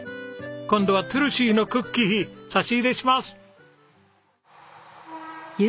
今度はトゥルシーのクッキー差し入れします！